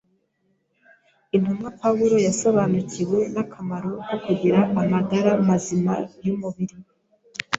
Intumwa Pawulo yasobanukiwe n’akamaro ko kugira amagara mazima y’umubiri